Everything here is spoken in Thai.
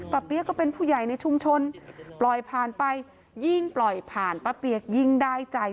เปี๊ยกก็เป็นผู้ใหญ่ในชุมชนปล่อยผ่านไปยิ่งปล่อยผ่านป้าเปี๊ยกยิ่งได้ใจ